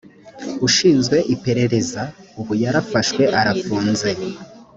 ushinzwe iperereza ubu yarafashwe arafunze